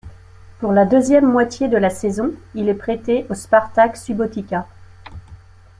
Pour la deuxième moitié de la saison, il est prêté au Spartak Subotica.